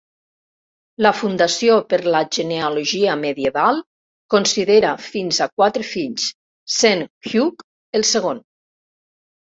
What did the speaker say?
La Fundació per la Genealogia Medieval considera fins a quatre fills, sent Hug el segon.